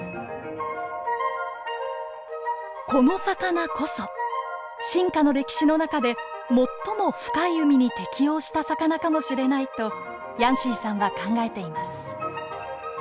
この魚こそ進化の歴史の中で最も深い海に適応した魚かもしれないとヤンシーさんは考えています。